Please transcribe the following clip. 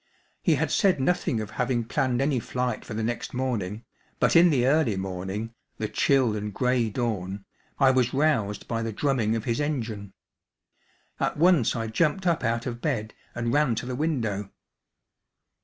He had said nothing of having planned any flight for the next morning; but in the early morning, the chill and grey dawn, I was roused by the drumming of his engine. At once I jumped up out of bed and ran to the window.